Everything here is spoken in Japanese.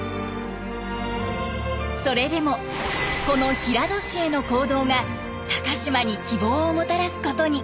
それでもこの平戸市への行動が高島に希望をもたらすことに。